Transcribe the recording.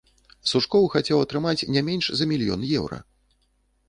Сучкоў хацеў атрымаць не менш за мільён еўра.